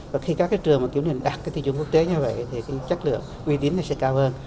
và khi các cái trường kiểm định đạt cái tiêu chuẩn quốc tế như vậy thì cái chất lượng uy tín này sẽ cao hơn